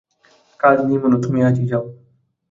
কাজ নেই, মনু, তুমি আজই যাও।